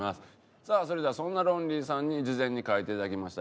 さあそれではそんなロンリーさんに事前に書いていただきました